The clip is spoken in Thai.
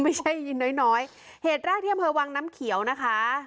ไม่ใช่ยินน้อยน้อยเหตุแรกที่อำเภอวังน้ำเขียวนะคะ